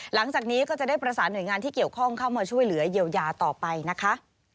หลังจากนี้ก็จะได้ประสานหน่วยงานที่เกี่ยวข้องเข้ามาช่วยเหลือเยียวยาต่อไปนะคะ